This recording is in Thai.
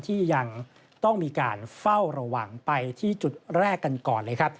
ที่ยังต้องมีการเฝ้าระวังไปที่จุดแรกกันก่อนเลยครับ